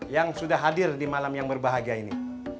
yang sudah hadir di malam yang berbahagia ini